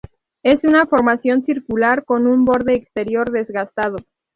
Es una formación circular, con un borde exterior desgastado.